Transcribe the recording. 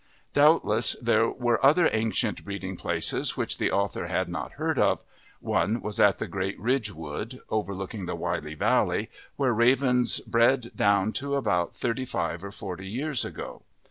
Doubtless there were other ancient breeding places which the author had not heard of: one was at the Great Ridge Wood, overlooking the Wylye valley, where ravens bred down to about thirty five or forty years ago.